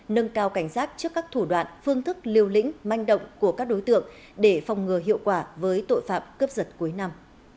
nâng cao cảnh giác trước các thủ đoạn phương thức liều lĩnh manh động của các đối tượng để phòng ngừa hiệu quả với tội phạm cướp giật cuối năm